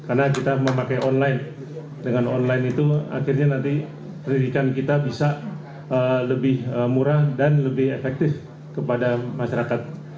karena kita memakai online dengan online itu akhirnya nanti pendidikan kita bisa lebih murah dan lebih efektif kepada masyarakat